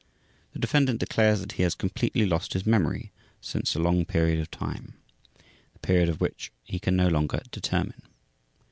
The defendant declares that he has completely lost his memory since a long period of time, the period of which he can no longer determine.